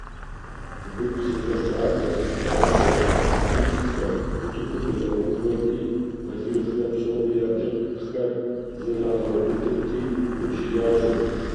Выгу зэщӀэщӀахэр, пхъэӀэщэхэр, къитхъхэр утыкум ирагъэувэрти, балигъхэм псоми я блыпкъхэр зэрагъэубыдырти, удж ящӀырт.